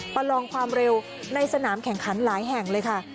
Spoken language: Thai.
ประลองความเร็วในสนามแข่งขันหลายแห่งเลยค่ะ